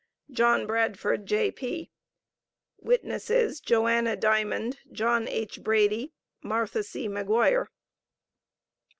JOHN BRADFORD, J.P. Witnesses Joanna Diamond, John H. Brady, Martha C. Maguire.